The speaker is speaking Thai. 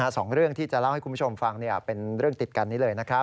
สองเรื่องที่จะเล่าให้คุณผู้ชมฟังเป็นเรื่องติดกันนี้เลยนะครับ